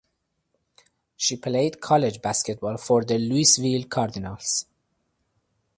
She played college basketball for the Louisville Cardinals.